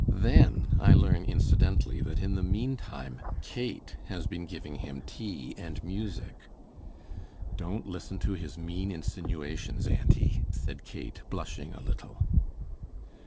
Then I learn incidentally that in the meantime Kate has been giving him tea and music." "Don't listen to his mean insinuations, auntie," said Kate, blushing a little.